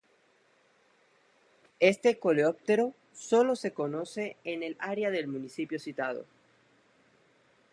Este coleóptero solo se conoce en el área del municipio citado.